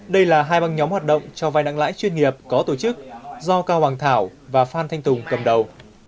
đây là hai băng nhóm hoạt động cho vai nặng lãi chuyên nghiệp có tổ chức do cao bằng thảo và phan thanh tùng cầm đầu